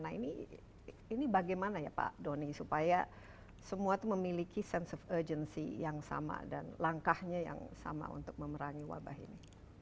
nah ini bagaimana ya pak doni supaya semua itu memiliki sense of urgency yang sama dan langkahnya yang sama untuk memerangi wabah ini